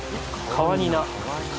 カワニナ？